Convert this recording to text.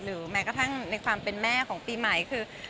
แม้กระทั่งในความเป็นแม่ของปีใหม่คือ